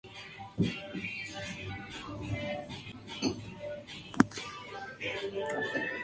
Ha dejado una obra apreciada por su sencillez y por su sinceridad.